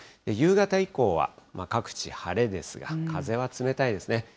夕方以降は各地晴れですが、風は冷たいですね。